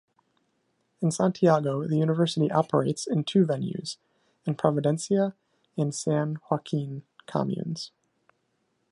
In Santiago, the university operates in two venues: in Providencia and San Joaquin communes.